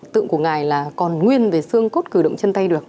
tượng của ngài là còn nguyên về xương cốt cử động chân tay được